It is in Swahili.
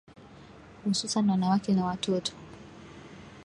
hususan wanawake na watoto